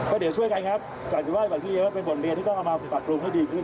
ก็เดี๋ยวช่วยไหมครับก่อนกากทีเรียกว่าเป็นบริเวณที่ต้องเอามาฝักปรุงให้ดีขึ้น